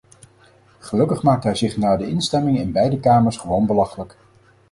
Gelukkig maakt hij zich na de instemming in beide kamers gewoon belachelijk.